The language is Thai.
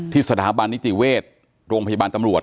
สถาบันนิติเวชโรงพยาบาลตำรวจ